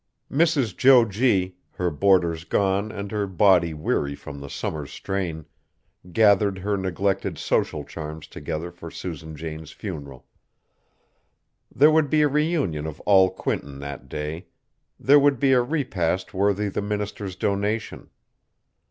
Mrs. Jo G., her boarders gone and her body weary from the summer's strain, gathered her neglected social charms together for Susan Jane's funeral. There would be a reunion of all Quinton that day. There would be a repast worthy the minister's donation.